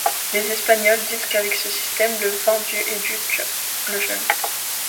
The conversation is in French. Les Espagnols disent qu'avec ce système, le vin vieux éduque le jeune.